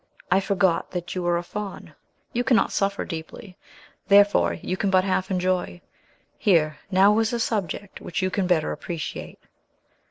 I forgot that you were a Faun. You cannot suffer deeply; therefore you can but half enjoy. Here, now, is a subject which you can better appreciate."